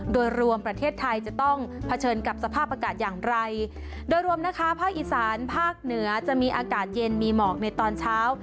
โดยรวมประเทศไทยจะต้องเผชิญกับสภาพอากาศอย่างไรโดยรวมนะคะภาคอีสานภาคเหนือจะมีอากาศเย็นมีหมอกในตอนเช้า